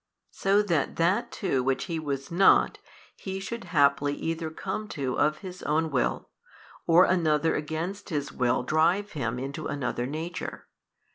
so that that too which He was not, He should haply either come to of His own will, or another against His will drive Him into another nature?